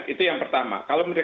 itu yang pertama